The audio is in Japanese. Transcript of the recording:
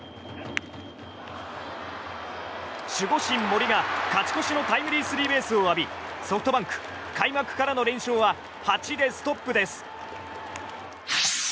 守護神・森が勝ち越しのタイムリースリーベースを浴びソフトバンク、開幕からの連勝は８でストップです。